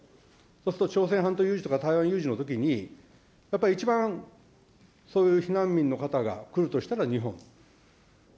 そうすると朝鮮半島有事とか台湾有事のときに、やっぱり一番そういう避難民の方が来るとしたら日本。